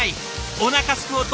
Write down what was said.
おなかすく音。